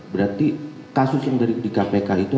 berarti kasus yang di kpk itu